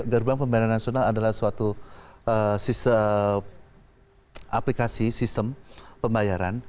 gerbang pembayaran nasional adalah suatu aplikasi sistem pembayaran